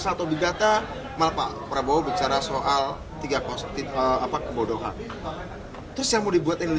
sedangkan di ekonomi atau dalam pendidikan indonesia besar kita harus ikutogether kepercayaan kita agar terurus shadow war mussut intehar